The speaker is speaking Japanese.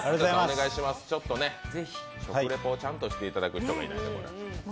食レポをちゃんとしていただく人がいないと。